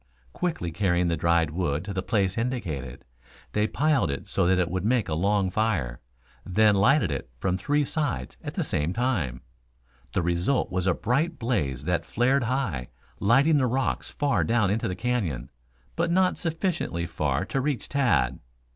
Quickly carrying the dried wood to the place indicated, they piled it so that it would make a long fire, then lighted it from three sides at the same time. The result was a bright blaze that flared high, lighting the rocks far down into the canyon, but not sufficiently far to reach Tad.